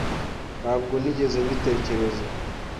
Ntabwo nigeze mbitekereza.